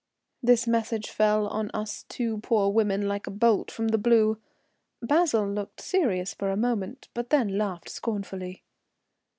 This message fell on us two poor women like a bolt from the blue. Basil looked serious for a moment, but then laughed scornfully.